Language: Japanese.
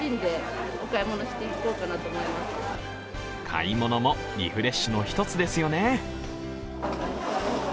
買い物もリフレッシュの一つですよね。